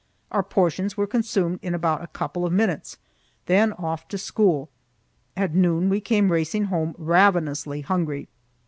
Our portions were consumed in about a couple of minutes; then off to school. At noon we came racing home ravenously hungry.